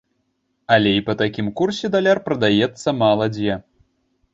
Але і па такім курсе даляр прадаецца мала дзе.